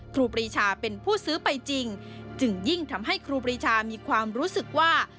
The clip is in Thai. ครูปรีชาเป็นผู้ซื้อไปจริงจึงยิ่งทำให้ครูปรีชามีความรู้สึกว่า